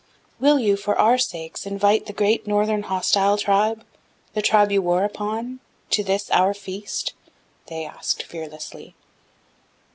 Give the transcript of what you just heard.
"'Will you, for our sakes, invite the great northern hostile tribe the tribe you war upon to this, our feast?' they asked fearlessly.